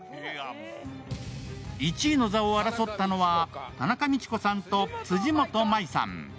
１位の座を争ったのは田中道子さんと辻元舞さん。